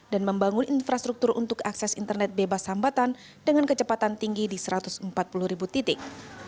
dan membangun infrastruktur untuk akses internet bebas hambatan dengan kecepatan tinggi di seratus juta orang